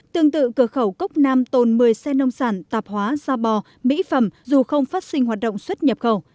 tương tự cửa khẩu cốc nam tồn một mươi xe nông sản tạp hóa da bò mỹ phẩm dù không phát sinh hoạt động xuất nhập khẩu